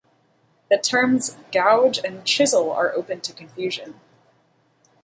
The terms "gouge" and "chisel" are open to confusion.